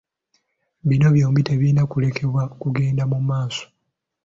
Bino byombi tebirina kulekebwa kugenda mu maaso.